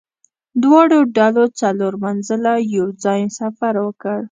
دواړو ډلو څلور منزله یو ځای سفر وکړ.